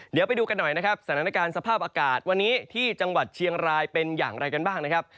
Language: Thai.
เดี๋ยวไปดูกันหน่อยนะครับสถานการณ์สภาพอากาศวันนี้ที่จังหวัดเชียงรายเป็นอย่างไรกันบ้างนะครับ